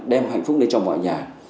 đem hạnh phúc đến cho mọi nhà